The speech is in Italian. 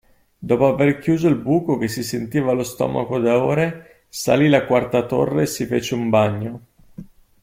Dopo aver chiuso il buco che si sentiva allo stomaco da ore, salì la quarta torre e si fece un bagno.